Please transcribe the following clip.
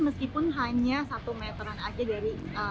meskipun hanya satu meteran aja dari